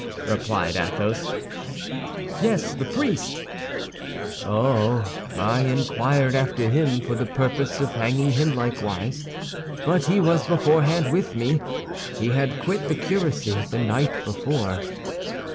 replied Athos. "Yes, the priest." "Oh, I inquired after him for the purpose of hanging him likewise; but he was beforehand with me, he had quit the curacy the night before."